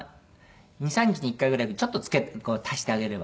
２３日に１回ぐらいちょっと足してあげれば。